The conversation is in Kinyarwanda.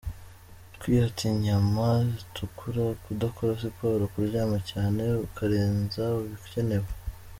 Kwihata inyama zitukura, kudakora siporo, kuryama cyane ukarenza ibikenewe.